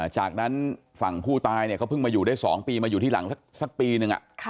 จากนั้นฝั่งผู้ตายเขาเพิ่งมาอยู่ได้๒ปีมาอยู่ที่หลังสักปีนึง